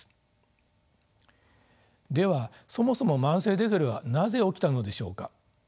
ではそもそも慢性デフレはなぜ起きたのでしょうか。